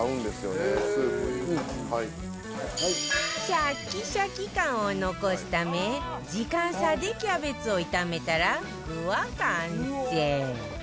シャキシャキ感を残すため時間差でキャベツを炒めたら具は完成